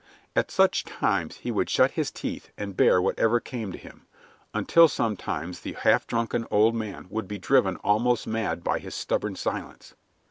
At such times he would shut his teeth and bear whatever came to him, until sometimes the half drunken old man would be driven almost mad by his stubborn silence.